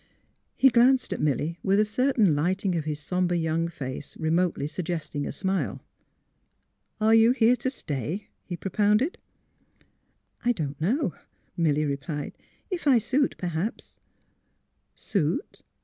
He glanced at Milly with a certain lighting of his somber young face remotely suggesting a smile. " Are you here to stay? '* he propounded. *' I don 't know, '' Milly replied. " If I suit, per haps "'' Suit?